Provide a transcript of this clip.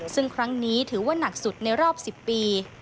ซึ่งครั้งนี้ถือว่านักสุดในรอบ๑๐ปี